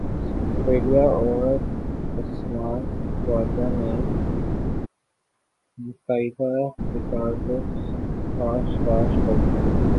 سٹریلیا اور عثمان خواجہ نے متعدد ریکارڈز پاش پاش کر دیے